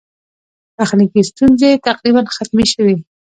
تخنیکي ستونزې تقریباً ختمې شوې.